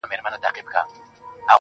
د سترگو اوښکي دي خوړلي گراني _